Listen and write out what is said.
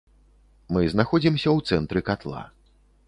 Мы знаходзімся ў цэнтры катла.